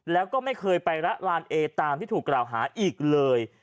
แล้วก็ไม่เคยไปละลานเอตามที่ถูกกล่าวหาอีกเลย